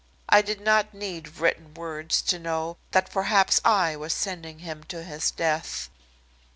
I did not need written words to know that perhaps I was sending him to his death!